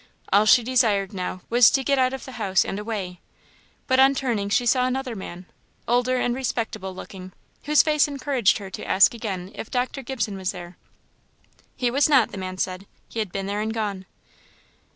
All she desired now, was to get out of the house and away; but on turning she saw another man, older and respectable looking, whose face encouraged her to ask again if Dr. Gibson was there. He was not, the man said; he had been there and gone.